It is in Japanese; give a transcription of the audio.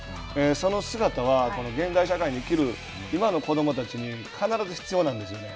その姿は、現代社会に生きる今の子どもたちに必ず必要なんですよね。